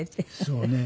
そうね。